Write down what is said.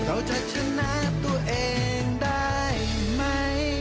เราจะชนะตัวเองได้ไหม